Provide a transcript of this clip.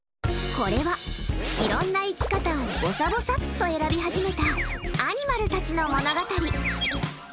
これは、いろんな生き方をぼさぼさっと選び始めたアニマルたちの物語。